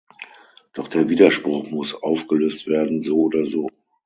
Doch der Widerspruch muss aufgelöst werden so oder so.